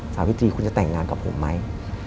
สาวพิธีคุณจะแต่งงานกับผมไหม